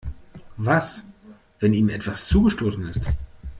Was, wenn ihm etwas zugestoßen ist?